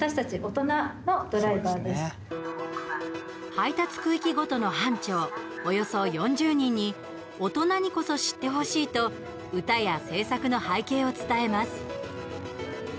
配達区域ごとの班長およそ４０人に大人にこそ知ってほしいと歌や制作の背景を伝えます。